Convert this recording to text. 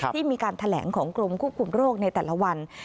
ที่มีการแถลงของกรมควบคุมโรคในแต่ละวัน